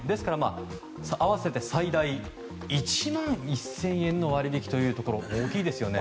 合わせて最大１万１０００円の割引というところ大きいですよね。